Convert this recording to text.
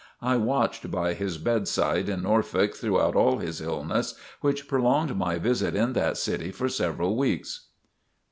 I watched by his bedside in Norfolk through all his illness, which prolonged my visit in that city for several weeks.